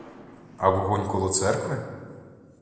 А вогонь коло церкви?